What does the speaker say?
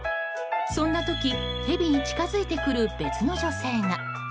そんな時、ヘビに近づいてくる別の女性が。